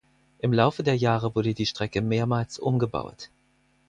Im Laufe der Jahre wurde die Strecke mehrmals umgebaut.